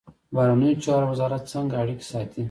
بهرنیو چارو وزارت څنګه اړیکې ساتي؟